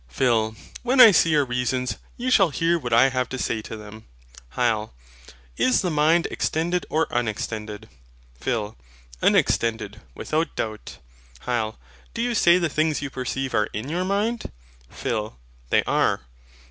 PHIL. When I see your reasons, you shall hear what I have to say to them. HYL. Is the mind extended or unextended? PHIL. Unextended, without doubt. HYL. Do you say the things you perceive are in your mind? PHIL. They are.